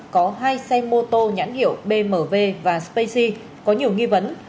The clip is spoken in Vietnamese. có hai xe mô tô nhãn hiệu bmw và spacey có nhiều nghi vấn